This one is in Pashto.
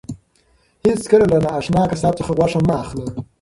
هیڅکله له نااشنا قصاب څخه غوښه مه اخله.